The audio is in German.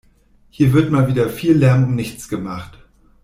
Hier wird mal wieder viel Lärm um nichts gemacht.